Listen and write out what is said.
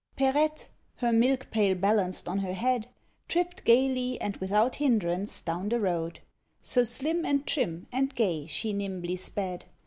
Perette, her Milk pail balanced on her head, Tripped gaily and without hindrance down the road, So slim and trim, and gay she nimbly sped.